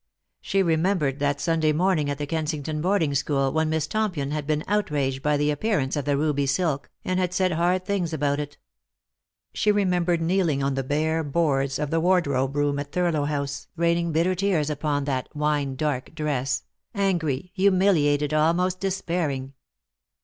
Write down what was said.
She remembered that Sunday morning at the Kensington boarding school when Miss Tompion had been outraged by the appearance of the ruby silk, and had said hard things about it. She remembered kneeling on the hare boards of the wardrobe room at Thurlow House, raining bitter tears upon that " wine dark " dress — angry, humiliated, almost despairing.